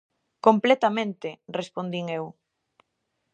-Completamente -respondín eu-.